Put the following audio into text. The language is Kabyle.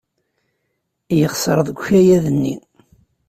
Yexṣer deg ukayad-nni.